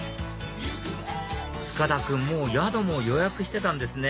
塚田君もう宿も予約してたんですね